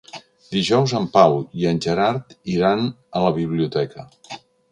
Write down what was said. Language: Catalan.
Dijous en Pau i en Gerard iran a la biblioteca.